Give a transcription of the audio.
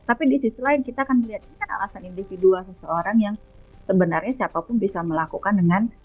tapi di sisi lain kita akan melihat ini kan alasan individual seseorang yang sebenarnya siapapun bisa melakukan dengan